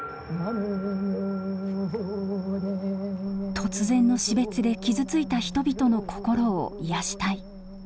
突然の死別で傷ついた人々の心を癒やしたい。